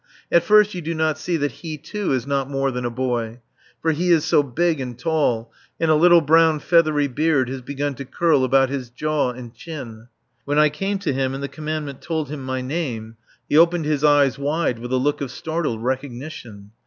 At first you do not see that he, too, is not more than a boy, for he is so big and tall, and a little brown feathery beard has begun to curl about his jaw and chin. When I came to him and the Commandant told him my name, he opened his eyes wide with a look of startled recognition.